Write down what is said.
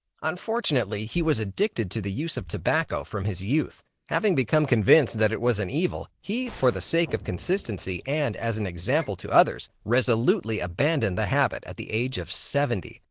Unfortunately, he was addicted to the use of tobacco from his youth. Having become convinced that it was an evil, he, for the sake of consistency and as an example to others, resolutely abandoned the habit, at the age of seventy.